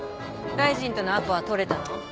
大臣とのアポは取れたの？